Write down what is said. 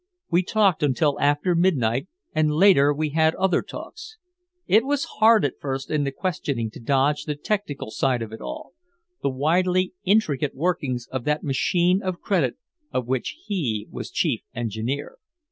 We talked until after midnight, and later we had other talks. It was hard at first in the questioning to dodge the technical side of it all, the widely intricate workings of that machine of credit of which he was chief engineer.